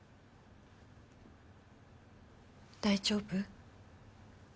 大丈夫？